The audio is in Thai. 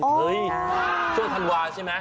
เฮ้ยช่วงธันวาใช่ไหม